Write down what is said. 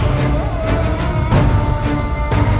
janjumawa pak ban